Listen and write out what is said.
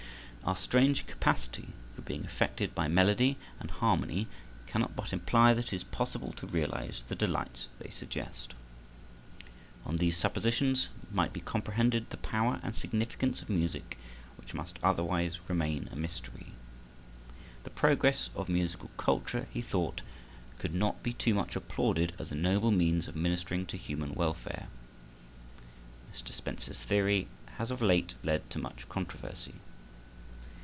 Our strange capacity for being affected by melody and harmony cannot but imply that it is possible to realize the delights they suggest. On these suppositions might be comprehended the power and significance of music which must otherwise remain a mystery. The progress of musical culture, he thought, could not be too much applauded as a noble means of ministering to human welfare. Mr. Spencer's theory has of late led to much controversy.